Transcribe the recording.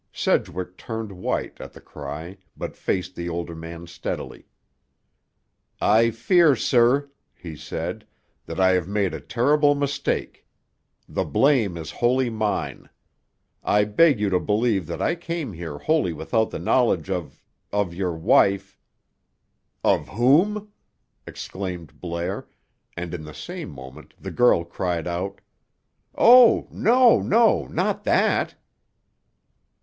Sedgwick turned white, at the cry, but faced the older man steadily. "I fear, sir," he said, "that I have made a terrible mistake. The blame is wholly mine. I beg you to believe that I came here wholly without the knowledge of—of your wife—" "Of whom?" exclaimed Blair; and, in the same moment, the girl cried out, "Oh, no, no. Not that!"